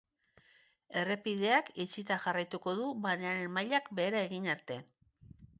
Errepideak itxita jarraituko du marearen mailak behera egin arte.